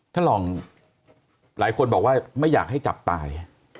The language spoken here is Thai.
ท่านรองหลายคนบอกว่าไม่อยากให้จับตาย